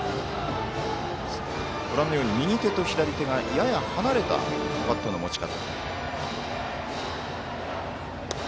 ご覧のように右手と左手がやや離れたバットの持ち方。